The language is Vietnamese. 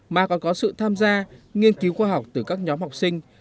mà còn có sự tham gia nghiên cứu khoa học từ các nhóm học sinh